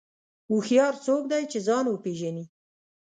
هوښیار څوک دی چې ځان وپېژني.